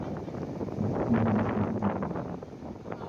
Jetzt spiel hier nicht den Suppenkasper.